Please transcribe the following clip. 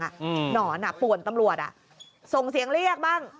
หนอนปวนตำรวจส่งเสียงเรียกบ้าง